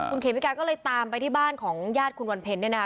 คุณเขมิกาก็เลยตามไปที่บ้านของญาติคุณวันเพ็ญเนี่ยนะคะ